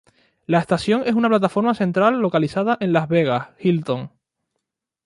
La estación es una plataforma central localizada en Las Vegas Hilton.